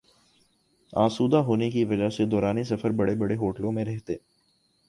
آسودہ ہونے کی وجہ سے دوران سفر بڑے بڑے ہوٹلوں میں رہتے